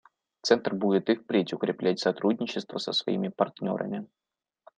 Центр будет и впредь укреплять сотрудничество со своими партнерами.